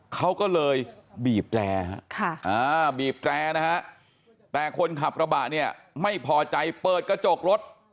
เขาก็เลยบีบแตรบีบแตรนะฮะแต่คนขับกระบะเนี่ยไม่พอใจเปิดกระจกรถ